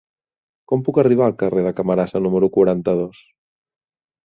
Com puc arribar al carrer de Camarasa número quaranta-dos?